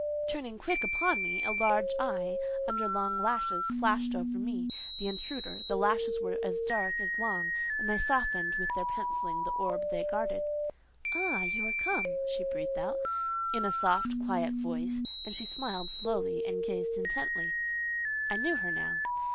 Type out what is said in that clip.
Turning quick upon me, a large eye, under long lashes, flashed over me, the intruder: the lashes were as dark as long, and they softened with their pencilling the orb they guarded. "Ah! you are come!" she breathed out, in a soft, quiet voice, and she smiled slowly, and gazed intently. I knew her now.